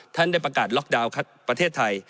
ท่านได้ประกาศล็อกดาวน์ประเทศไทย